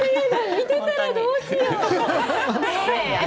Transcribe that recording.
見ていたらどうしよう？